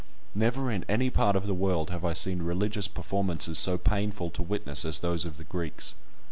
Never in any part of the world have I seen religious performances so painful to witness as those of the Greeks.